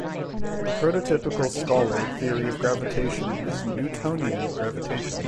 The prototypical scalar theory of gravitation is Newtonian gravitation.